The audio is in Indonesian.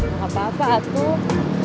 gak apa apa atuh